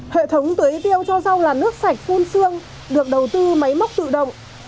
hệ thống tưới tiêu cho rau là nước sạch phun xương được đầu tư máy móc tự động